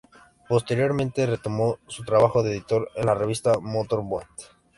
Posteriormente retomó su trabajo de editor en la revista "Motor Boat".